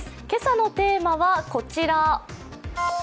今朝のテーマは、こちら。